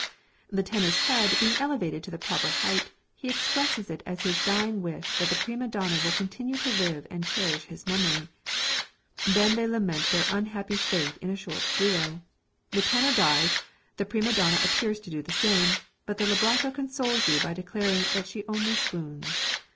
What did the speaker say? The tenor's head being elevated to the proper height, he expresses it as his dying wish that the prima donna will continue to live and cherish his memory. They then lament their unhappy fate in a short duo. The tenor dies; the prima donna appears to do the same, but the libretto consoles you by declaring that she only swoons.